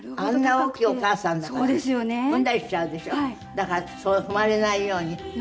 だから踏まれないように「アッ！」